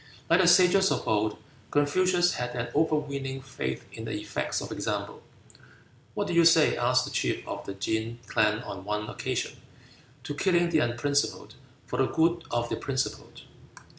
Like the sages of old, Confucius had an overweening faith in the effect of example. "What do you say," asked the chief of the Ke clan on one occasion, "to killing the unprincipled for the good of the principled?"